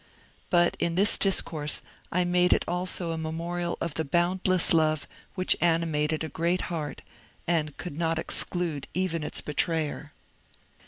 But in this discourse I made it also a memorial of the boundless love which animated a great heart and could not exclude even its betrayer.